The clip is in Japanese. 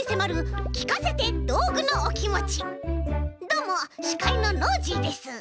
どうもしかいのノージーです。